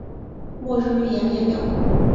末日预言列表